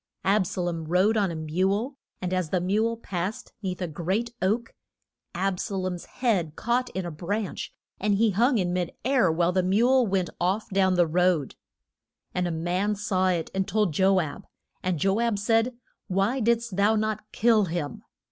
Ab sa lom rode on a mule, and as the mule passed 'neath a great oak, Ab sa lom's head caught in a branch, and he hung in mid air, while the mule went off down the road. And a man saw it and told Jo ab. And Jo ab said, Why did'st thou not kill him?